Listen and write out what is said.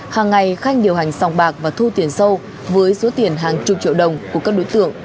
hàng ngày khanh điều hành sòng bạc và thu tiền sâu với số tiền hàng chục triệu đồng của các đối tượng